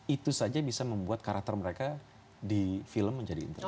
itu saja bisa membuat karakter mereka di film menjadi interest